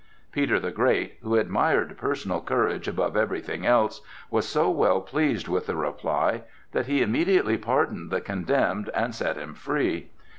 Peter the Great, who admired personal courage above everything else, was so well pleased with the reply, that he immediately pardoned the condemned and set him free.